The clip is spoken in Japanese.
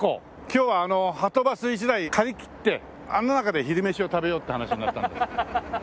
今日ははとバス１台借り切ってあの中で昼飯を食べようって話になったので。